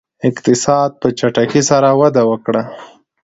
اقتصاد په چټکۍ سره وده وکړه.